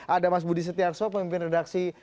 ada mas budi setiarso pemimpin redaksi